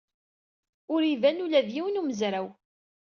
Ur iba ula d yiwen n umezraw.